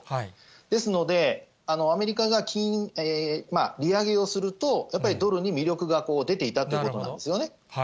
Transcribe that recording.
ですので、アメリカが利上げをすると、やっぱりドルに魅力が出ていたっていうことなんですよね。